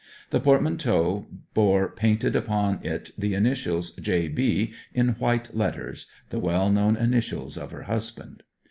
The portmanteau bore painted upon it the initials 'J. B.' in white letters the well known initials of her husband.